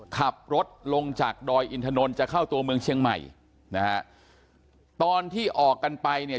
ขับรถลงจากดอยอินทนนท์จะเข้าตัวเมืองเชียงใหม่นะฮะตอนที่ออกกันไปเนี่ย